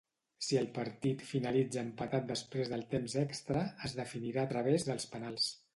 Si el partit finalitza empatat després del temps extra, es definirà a través dels penals.